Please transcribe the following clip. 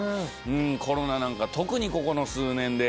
コロナなんか特にここの数年で。